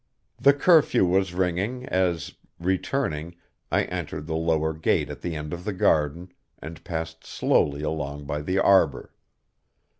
The curfew was ringing as, returning, I entered the lower gate at the end of the garden, and passed slowly along by the arbor.